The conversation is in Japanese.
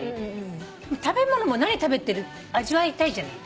食べ物も何食べてる味わいたいじゃない。